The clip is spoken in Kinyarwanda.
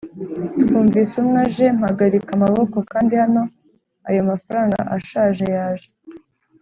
twumvise umwe aje, mpagarika amaboko, kandi hano ayo mafranga ashaje yaje.